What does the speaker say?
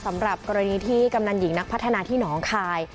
สำหรับกรณีที่กำนันหญิงนักพัฒนาที่หนองคาย